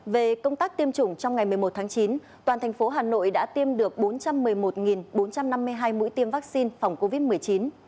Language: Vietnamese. về công tác tiêm chủng trong ngày một mươi một tháng chín toàn thành phố hà nội đã tiêm được bốn trăm một mươi một bốn trăm năm mươi hai mũi tiêm vaccine phòng covid một mươi chín